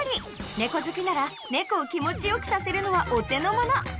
猫好きなら猫を気持ち良くさせるのはお手のもの